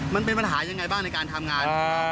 มันเป็นปัญหายังไงบ้างในการทำงาน